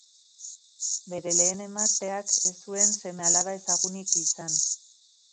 Bere lehen emazteak ez zuen seme-alaba ezagunik izan.